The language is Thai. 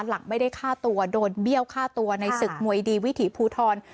หลังไม่ได้ฆ่าตัวโดนเบี้ยวฆ่าตัวในศึกมวยดีวิถีภูทร